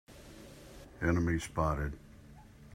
Enemy spotted!